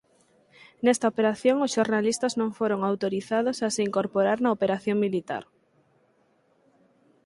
Nesta operación os xornalistas non foron autorizados a se incorporar na operación militar.